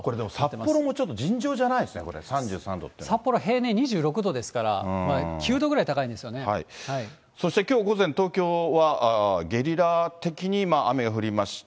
札幌もちょっと尋常じゃないですね、これ、札幌は平年２６度ですから、そしてきょう午前、東京はゲリラ的に雨が降りました。